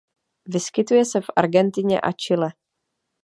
Vyskytuje se v Argentině a Chile.